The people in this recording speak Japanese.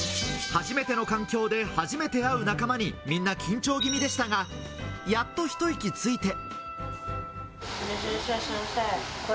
初めての環境で初めて会う仲間にみんな緊張気味でしたが、やっと一息ついて。